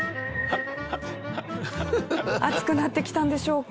暑くなってきたんでしょうか。